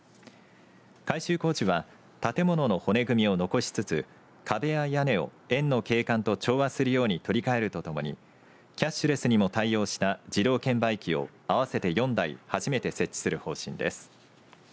改修工事は建物の骨組みを残しつつ壁や屋根を園の景観と調和するように取りかえるとともにキャッシュレスにも対応した自動券売機を合わせて４台初めて設置する方針です。